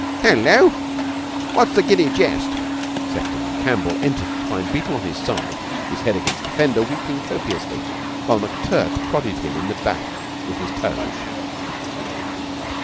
"Hullo! What's the giddy jest?" Sefton and Campbell entered to find Beetle on his side, his head against the fender, weeping copiously, while McTurk prodded him in the back with his toes.